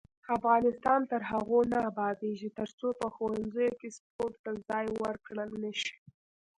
افغانستان تر هغو نه ابادیږي، ترڅو په ښوونځیو کې سپورت ته ځای ورکړل نشي.